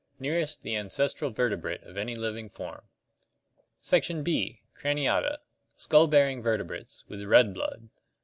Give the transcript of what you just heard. Nearest the ancestral vertebrate of any living form. Section B. craniata (Gr. icpanov, skull). Skull bearing vertebrates, with red blood.